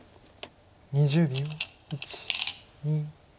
２０秒。